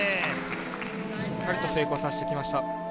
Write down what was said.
しっかり成功させてきました。